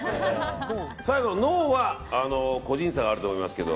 最後のｎｏは個人差があると思いますけど。